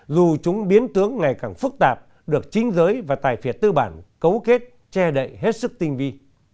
dù chúng biến tướng ngày càng phức tạp được chính giới và tài phiệt tư bản cấu kết che đậy hết sức tinh vi